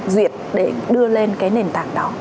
duyệt để đưa lên cái nền tảng đó